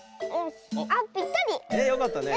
あっぴったり。